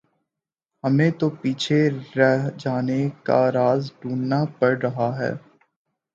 ہمیں تو پیچھے رہ جانے کا راز ڈھونڈنا پڑ رہا ہے۔